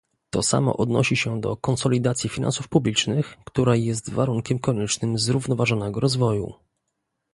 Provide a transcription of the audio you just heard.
To samo odnosi się do konsolidacji finansów publicznych, która jest warunkiem koniecznym zrównoważonego rozwoju